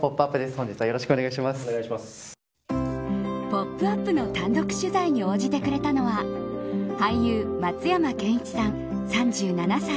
「ポップＵＰ！」の単独取材に応じてくれたのは俳優・松山ケンイチさん、３７歳。